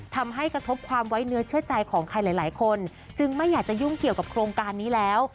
ทำให้กระทบความไว้เนื้อเชื่อใจของใครหลายคนจึงไม่อยากจะยุ่งเกี่ยวกับโครงการนี้แล้ว